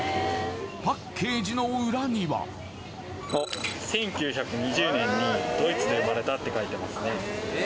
パッケージの裏にはあっ「１９２０年にドイツで生まれた」って書いてありますね